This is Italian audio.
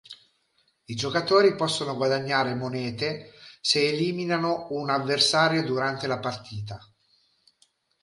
I giocatori possono guadagnare monete se eliminano un avversario durante la partita.